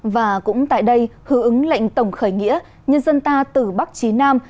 và cũng tại đây hữu ứng lệnh tổng khởi nghĩa nhân dân ta từ bắc chí nam